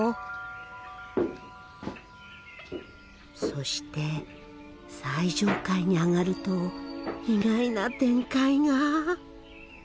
そして最上階に上がると意外な展開が。